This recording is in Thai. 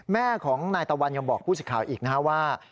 แม่ของนายตะวันยังบอกผู้สิทธิ์ข่าวอีกนะฮะว่า